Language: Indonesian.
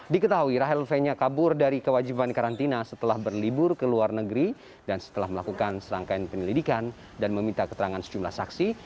diketahui rahel fenya kabur dari kewajiban karantina setelah berlibur ke luar negeri dan setelah melakukan serangkaian penyelidikan dan meminta keterangan sejumlah saksi